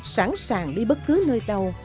sẵn sàng đi bất cứ nơi đâu